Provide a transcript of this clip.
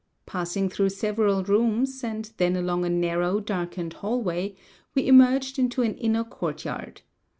Passing through several rooms, and then along a narrow, darkened hallway, we emerged into an inner courtyard.